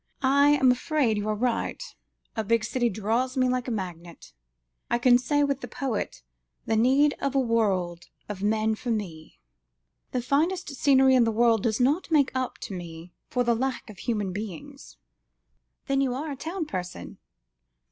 "I am afraid you are right. A big city draws me like a magnet. I can say with the poet, 'The need of a world of men for me.' The finest scenery in the world does not make up to me, for the lack of human beings." "Then you are a town person?"